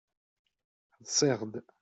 Ḍsiɣ-d.